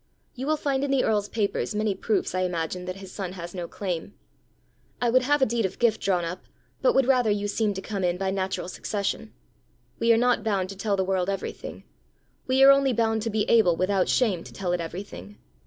You will find in the earl's papers many proofs, I imagine, that his son has no claim. I would have a deed of gift drawn up, but would rather you seemed to come in by natural succession. We are not bound to tell the world everything; we are only bound to be able without shame to tell it everything.